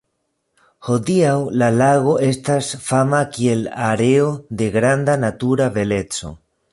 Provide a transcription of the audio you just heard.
Hodiaŭ la lago estas fama kiel areo de granda natura beleco.